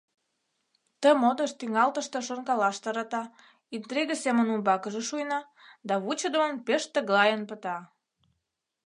Ты модыш тӱҥалтыште шонкалаш тарата, интриге семын умбакыже шуйна да вучыдымын пеш тыглайын пыта.